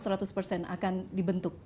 dan akan dibentuk